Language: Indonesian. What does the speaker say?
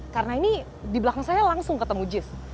karena ini di belakang saya langsung ketemu jis